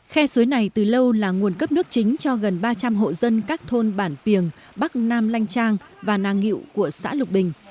khe suối này từ lâu là nguồn cấp nước chính cho gần ba trăm linh hộ dân các thôn bản piềng bắc nam lanh trang và nàng ngịu của xã lục bình